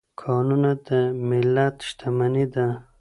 کانونه د ملت شتمني ده.